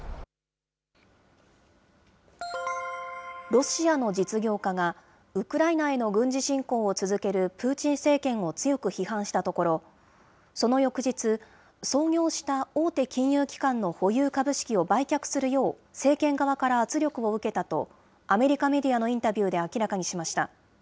ロシアの実業家が、ウクライナへの軍事侵攻を続けるプーチン政権を強く批判したところ、その翌日、創業した大手金融機関の保有株式を売却するよう政権側から圧力を受けたと、アメリカメディアのインタビューで明らかにしました。